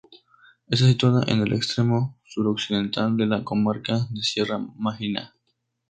Está situada en el extremo suroccidental de la comarca de Sierra Mágina.